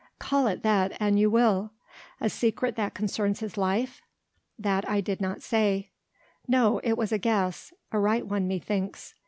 "Call it that, an you will." "A secret that concerns his life?" "That I did not say." "No. It was a guess. A right one methinks."